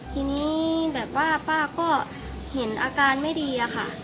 ทีนี้แบบว่าป้าก็เห็นอาการไม่ดีอะค่ะ